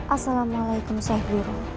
assalamualaikum syekh guru